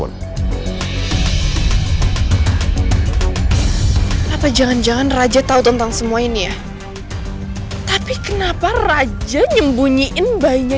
kenapa jangan jangan raja tahu tentang semua ini ya tapi kenapa raja nyembunyiin bayinya